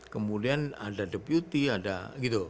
kemudian ada deputi ada gitu